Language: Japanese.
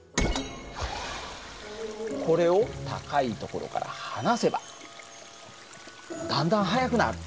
これを高い所から離せばだんだん速くなる。